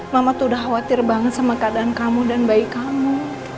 mama tuh udah khawatir banget sama keadaan kamu dan bayi kamu